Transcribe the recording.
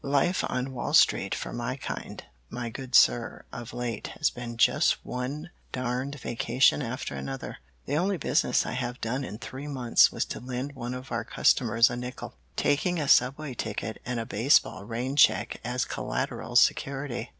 "Life on Wall Street for my kind, my good sir, of late has been just one darned vacation after another. The only business I have done in three months was to lend one of our customers a nickel, taking a subway ticket and a baseball rain check as collateral security."